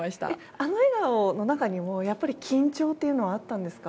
あの笑顔の中にも緊張というのはあったんですか？